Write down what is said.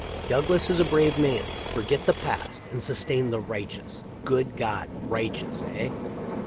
Douglas is a brave man. Forget the past and sustain the right eous.' Good God, righteous, eh!